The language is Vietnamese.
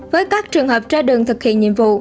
với các trường hợp ra đường thực hiện nhiệm vụ